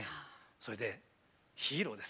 それでヒーローです。